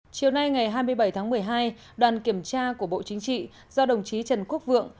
chiều nay ngày hai mươi bảy tháng một mươi hai đoàn kiểm tra của bộ chính trị do đồng chí trần quốc vượng